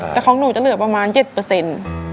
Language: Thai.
แต่ของหนูจะเหลือประมาณ๗